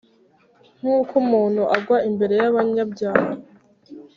Nk’uko umuntu agwa imbere y’abanyabyaha